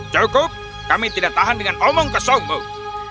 cukup kami tidak tahan dengan omong kesombong